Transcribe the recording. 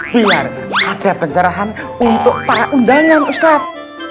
bila ada pencerahan untuk para undangan ustaz